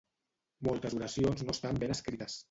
Moltes oracions no estan ben escrites.